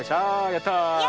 やった！